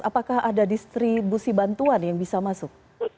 apakah ada distribusi bantuan yang bisa masuk